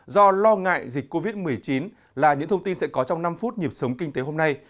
do lo ngại dịch covid một mươi chín là những thông tin sẽ có trong năm phút nhịp sống kinh tế hôm nay